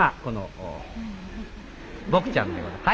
ぼくちゃんでございます。